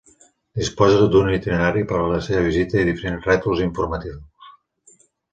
Disposa d'un itinerari per a la seva visita i diferents rètols informatius.